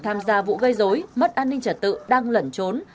tham gia vụ gây dối mất an ninh trật tự đang lẩn trốn